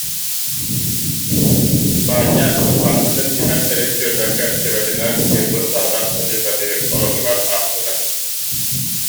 Баанньа ырбаахытын тимэх- тэрин сүөрбэккэ төбөтүнэн ньылбы тарда сатыы-сатыы оронугар ааспыта